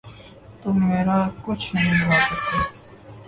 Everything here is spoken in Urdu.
تم میرا کچھ نہیں بگاڑ سکتے۔